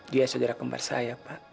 dia saudara kembar saya pak